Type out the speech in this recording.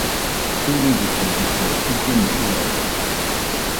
Sɨririkaidɨkue illemo uailla.